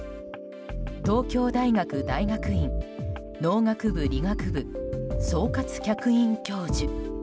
東京大学大学院農学部・理学部総括客員教授。